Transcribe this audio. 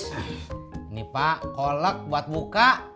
ini pak kolek buat buka